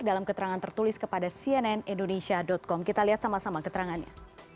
dalam keterangan tertulis kepada cnn indonesia com kita lihat sama sama keterangannya